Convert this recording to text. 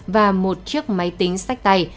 và một chiếc máy tính sách tay